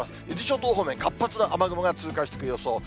伊豆諸島方面、活発な雨雲が通過していく予想。